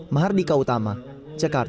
mahardika utama jakarta